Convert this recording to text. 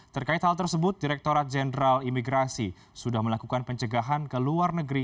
terkait hal tersebut direkturat jenderal imigrasi sudah melakukan pencegahan ke luar negeri